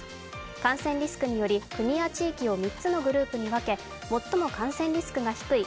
感染リスクにより国や地域を３つのグループに分け最も感染リスクが低い